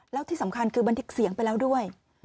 แล้วที่สำคัญคือบันทึกเสียงไปแล้วด้วย